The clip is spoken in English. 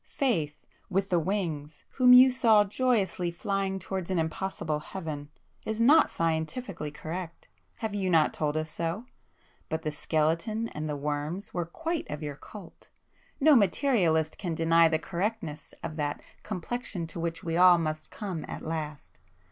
"Faith,—with the wings, whom you saw joyously flying towards an impossible Heaven, is not scientifically correct,—have you not told us so?—but the skeleton and the worms were quite of your cult! No materialist can deny the correctness of that 'complexion to which we all must come at last.